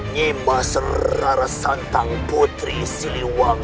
ngimba serara santang putri siliwangi